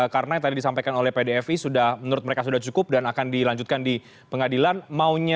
karena yang tadi disampaikan oleh pdfi sudah menurut mereka sudah cukup dan akan dilanjutkan di pengadilan selanjutnya